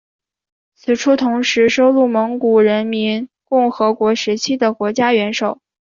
此处同时收录蒙古人民共和国时期的国家元首。